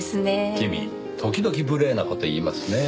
君時々無礼な事言いますねぇ。